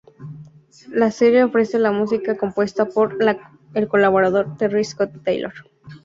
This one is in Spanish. La serie ofrece la música compuesta por el colaborador Terry Scott Taylor.